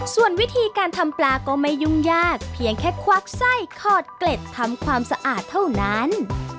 ส่วนวิธีการทำปลาก็ไม่ยุ่งยากเพียงแค่ควักไส้คอดเกล็ดทำความสะอาดเท่านั้น